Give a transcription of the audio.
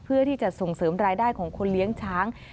เพื่อที่จะส่งเสริมรายได้ของคนเลี้ยงช้าง